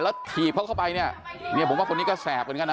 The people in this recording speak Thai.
และถีบเค้าไปเนี่ยเนี่ยผมว่าคนนี้ก็แสบกันเนาะ